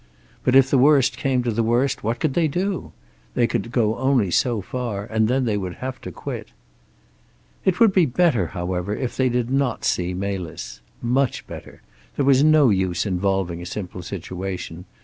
But if the worst came to the worst, what could they do? They could go only so far, and then they would have to quit. It would be better, however, if they did not see Melis. Much better; there was no use involving a simple situation.